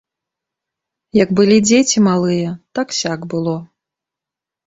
Як былі дзеці малыя так-сяк было.